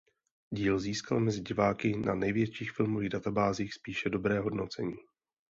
Díl získal mezi diváky na největších filmových databázích spíše dobré hodnocení.